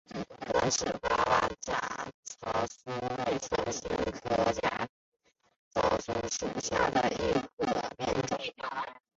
短齿爪哇假糙苏为唇形科假糙苏属下的一个变种。